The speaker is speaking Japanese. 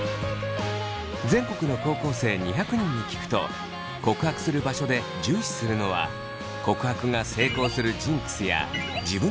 全国の高校生２００人に聞くと告白する場所で重視するのは告白が成功するジンクスや自分の理想に合った場所。